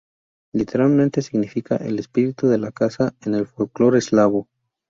Literalmente significa el espíritu de la casa en el folclore eslavo.